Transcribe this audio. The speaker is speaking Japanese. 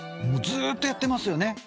ずーっとやってますよね。